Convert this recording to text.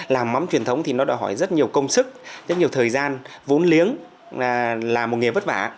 làm mắm truyền thống thì nó đòi hỏi rất nhiều công sức rất nhiều thời gian vốn liếng là một nghề vất vả